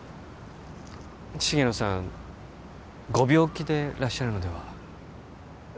重野さんご病気でらっしゃるのでは？